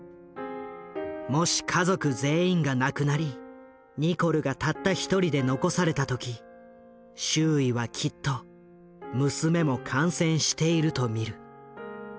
もし家族全員が亡くなりニコルがたった一人で残された時周囲はきっと娘も感染していると見る。